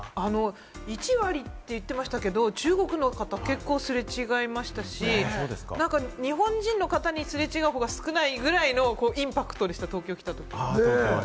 １割と言ってましたけど、中国の方と結構すれ違いましたし、日本人の方とすれ違うほうが多いくらいのインパクトでした、東京来たときの。